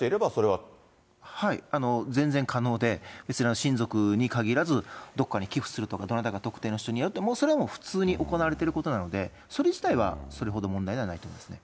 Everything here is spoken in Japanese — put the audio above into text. はい、全然可能で、別に親族に限らず、どこかに寄付するとか、どなたか特定の人にやるというのは、それはもう普通に行われていることなので、それ自体はそれほど問題ではないと思いますね。